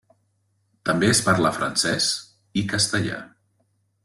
També es parla francès i castellà.